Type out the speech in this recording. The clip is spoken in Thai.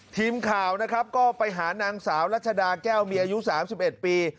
ทีมข่าวนะครับก็ไปหานางสาวรัชดาแก้วมีอายุ๓๑ปี